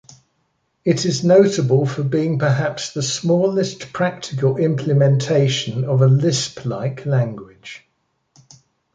It is notable for being perhaps the smallest practical implementation of a Lisp-like language.